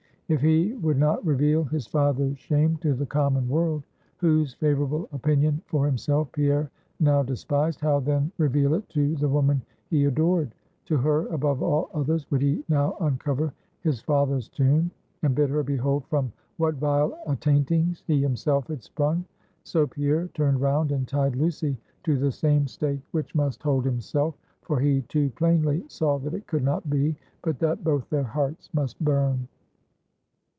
If he would not reveal his father's shame to the common world, whose favorable opinion for himself, Pierre now despised; how then reveal it to the woman he adored? To her, above all others, would he now uncover his father's tomb, and bid her behold from what vile attaintings he himself had sprung? So Pierre turned round and tied Lucy to the same stake which must hold himself, for he too plainly saw, that it could not be, but that both their hearts must burn.